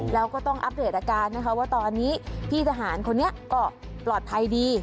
แล้วก็ต้องอัปเดตอาการนะคะว่าตอนนี้พี่ทหารคนนี้ก็ปลอดภัยดี